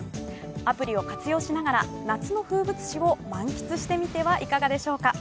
アプリを活用しながら、夏の風物詩を満喫してみてはいかがでしょうか。